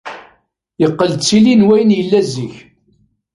Yeqqel d tili n wayen yella zik.